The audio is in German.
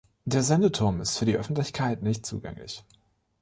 Der Sendeturm ist für die Öffentlichkeit nicht zugänglich.